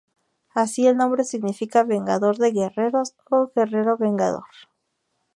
Así el nombre significa "Vengador de guerreros" o "Guerrero vengador".